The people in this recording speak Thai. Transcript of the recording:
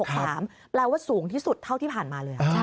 แปลว่าสูงที่สุดเท่าที่ผ่านมาเลย